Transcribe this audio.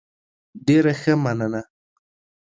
ډیر ښه، مننه.